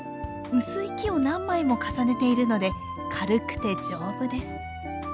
薄い木を何枚も重ねているので軽くて丈夫です。